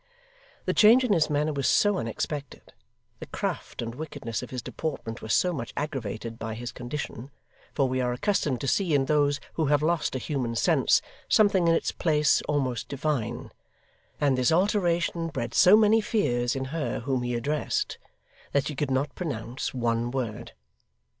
The change in his manner was so unexpected, the craft and wickedness of his deportment were so much aggravated by his condition for we are accustomed to see in those who have lost a human sense, something in its place almost divine and this alteration bred so many fears in her whom he addressed, that she could not pronounce one word.